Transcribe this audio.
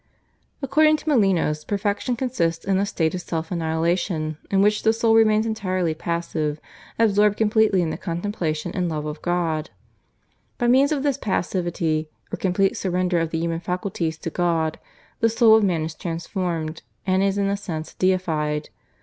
According to Molinos perfection consists in a state of self annihilation in which the soul remains entirely passive, absorbed completely in the contemplation and love of God. By means of this passivity or complete surrender of the human faculties to God the soul of man is transformed, and is in a sense deified.